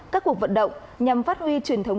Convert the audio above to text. các cuộc vận động nhằm phát huy truyền thống